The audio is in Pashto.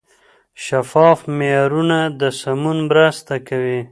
شفاف معیارونه د سمون مرسته کوي.